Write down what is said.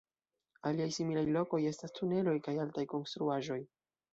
Aliaj similaj lokoj estas tuneloj kaj altaj konstruaĵoj.